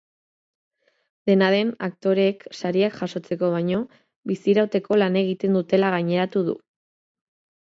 Dena den, aktoreek sariak jasotzeko baino bizirauteko lan egiten dutela gaineratu du.